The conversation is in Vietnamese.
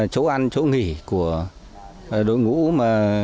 chỗ ăn chỗ nghỉ của đội ngũ mà